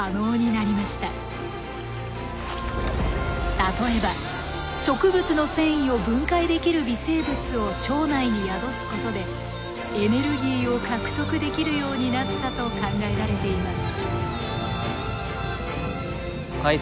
例えば植物の繊維を分解できる微生物を腸内に宿すことでエネルギーを獲得できるようになったと考えられています。